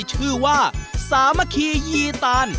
ชื่อว่าสามาคียี่ตาล